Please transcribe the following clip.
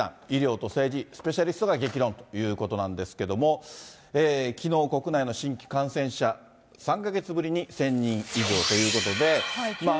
医療と政治、スペシャリストが激論ということなんですけども、きのう、国内の新規感染者、３か月ぶりに１０００人以上ということで。